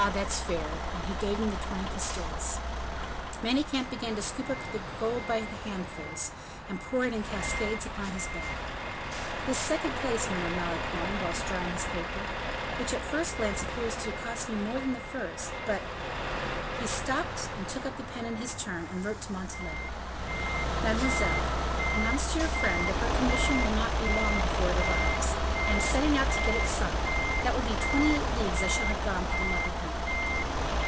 that's fair," and he gave him the twenty pistoles. Manicamp began to scoop up his gold by handfuls, and pour it in cascades upon his bed. "This second place," murmured Malicorne, whilst drying his paper, "which, at first glance appears to cost me more than the first, but " He stopped, took up the pen in his turn, and wrote to Montalais: "MADEMOISELLE, Announce to your friend that her commission will not be long before it arrives; I am setting out to get it signed: that will be twenty eight leagues I shall have gone for the love of you."